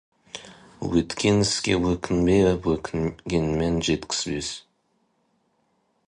Өткен іске өкінбе, өкінгенмен жеткізбес.